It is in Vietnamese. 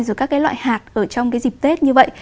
rồi các cái loại hạt ở trong cái dịp tết như vậy